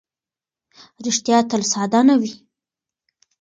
ریښتیا تل ساده نه وي.